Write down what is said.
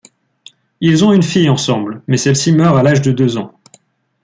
Ils ont une fille ensemble, mais celle-ci meurt a l'âge de deux ans.